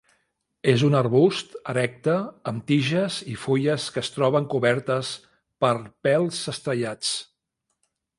És un arbust erecte amb tiges i fulles que es troben cobertes per pèls estrellats.